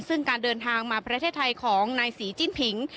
ซึ่งการเดินทางมาประเทศไทยของนายศรีจิ้นผิง